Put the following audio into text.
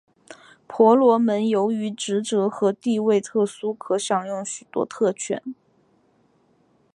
婆罗门由于职责和地位的特殊可享有许多特权。